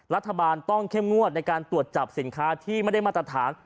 รัฐบาลต้องเข้มงวดในการตรวจจับสินค้าที่ไม่ได้มาตรฐาน